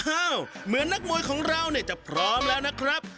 เหมือนนักมวยของเราเนี่ยจะพร้อมแล้วนะครับ